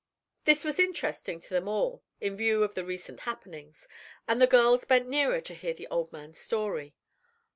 This was interesting to them all in view of the recent happenings, and the girls bent nearer to hear the old man's story.